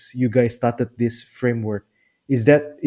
kamu mulai dengan framework ini